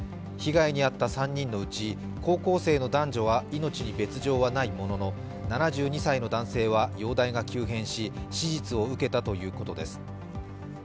被害に遭った３人のうち高校生の男女の命に別状はないものの、７２歳の男性は容体が急変し、手術を受けたということです。